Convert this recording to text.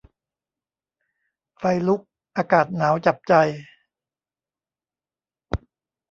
ไฟลุก อากาศหนาวจับใจ